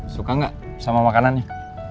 suka gak sama makanannya